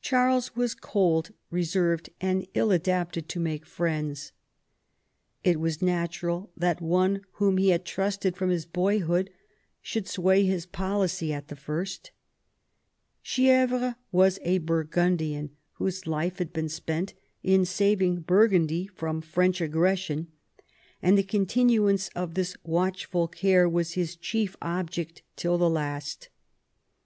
Charles was cold, reserved, and ill adapted to make friends. It was natural that one whom he had trusted from his boyhood should sway his policy at the first Chi^vres was a Burgundian, whose life had been spent in saving Burgundy from French aggression, and the continuance of this watchful care was his chief object till the last.